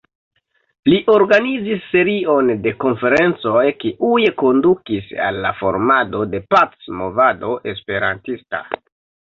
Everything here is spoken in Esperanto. Li organizis serion de konferencoj kiuj kondukis al la formado de pac-movado esperantista.